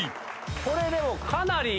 これでもかなり。